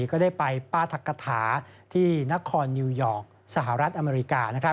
ก็ได้ไปป้าทักกฐาที่นครนิวยอร์กสหรัฐอเมริกา